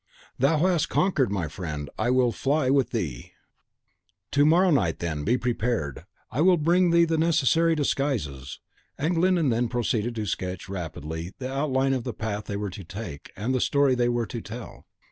"Thou hast conquered, my friend, I will fly with thee." "To morrow night, then, be prepared. I will bring thee the necessary disguises." And Glyndon then proceeded to sketch rapidly the outline of the path they were to take, and the story they were to tell.